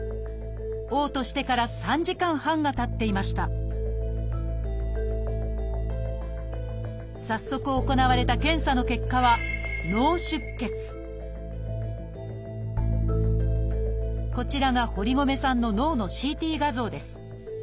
おう吐してから３時間半がたっていました早速行われた検査の結果はこちらが堀米さんの脳のＣＴ画像です。